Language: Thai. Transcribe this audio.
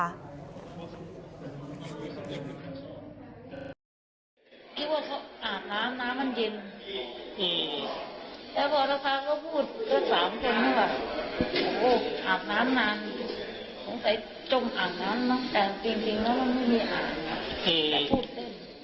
แล้วพอเท้าพูด๓ครั้งก็ว่าอาบน้ำนานคงใส่จมอาบน้ำต้องแปลงจริงแล้วไม่มีอาบน้ำแต่พูดได้